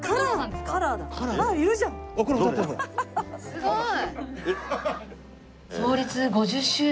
すごい。